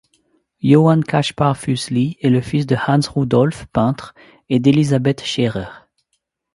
Johann Caspar Füssli est le fils de Hans Rudolf, peintre, et d'Elisabeth Schärer.